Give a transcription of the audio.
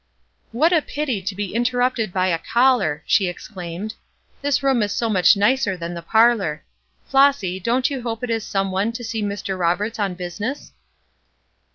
"What a pity to be interrupted by a caller!" she exclaimed. "This room is so much nicer than the parlor. Flossy, don't you hope it is some one to see Mr. Roberts on business?"